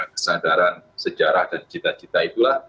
kesadaran sejarah dan cita cita itulah